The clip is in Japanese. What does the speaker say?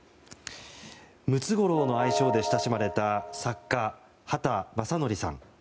ムツゴロウの愛称で親しまれた作家・畑正憲さん。